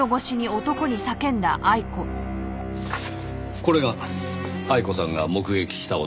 これが愛子さんが目撃した男です。